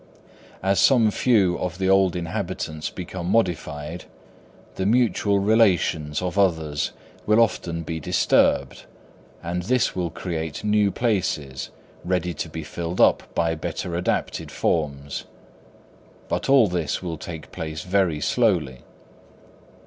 As some few of the old inhabitants become modified the mutual relations of others will often be disturbed; and this will create new places, ready to be filled up by better adapted forms; but all this will take place very slowly.